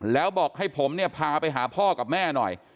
แล้วบอกให้ผมเนี่ยพาไปหาพ่อกับแม่หน่อย